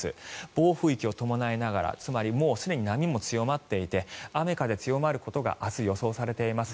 暴風域を伴いながらつまりもうすでに波も強まっていて雨風強まることが明日、予想されています。